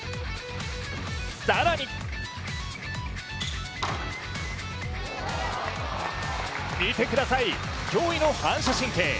更に見てください、驚異の反射神経。